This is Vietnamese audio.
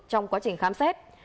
trong quá trình khám xét